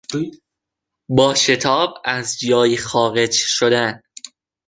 با شتاب از جایی خارج شدن